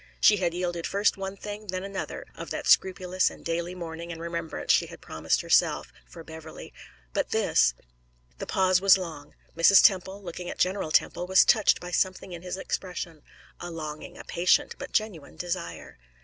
She had yielded first one thing, then another, of that scrupulous and daily mourning and remembrance she had promised herself, for Beverley but this The pause was long. Mrs. Temple, looking at General Temple, was touched by something in his expression a longing, a patient, but genuine desire.